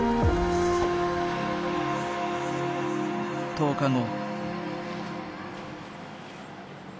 １０日後。